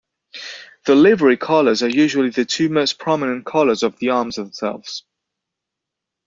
The livery colours are usually the two most prominent colours of the arms themselves.